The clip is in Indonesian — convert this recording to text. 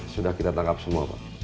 sudah kita tangkap semua pak